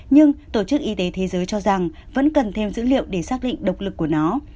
nhưng tổ chức y tế thế giới cho rằng vẫn cần thêm dữ liệu để xác định độc lực của nó